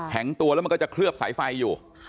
ตัวแล้วมันก็จะเคลือบสายไฟอยู่